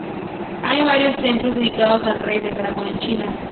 Hay varios templos dedicados al rey del Dragón en China.